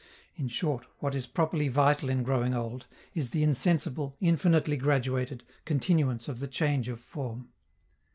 In short, what is properly vital in growing old is the insensible, infinitely graduated, continuance of the change of form.